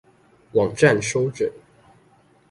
網站收整